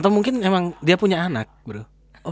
atau mungkin emang dia punya anak bro